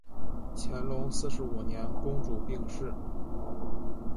乾隆四十五年公主病逝。